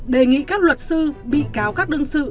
đề nghị các luật sư bị cáo các đương sự